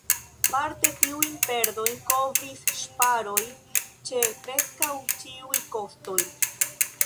Parte tiujn perdojn kovris ŝparoj ĉe preskaŭ ĉiuj kostoj.